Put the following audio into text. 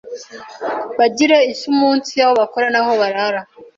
Bagire isuumunsi aho bakora n’aho barara